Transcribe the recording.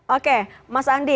oke mas andi